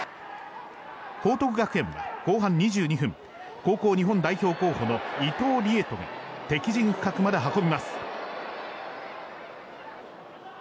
報徳学園は後半２２分高校日本代表のイトウに敵陣深くまで運びます。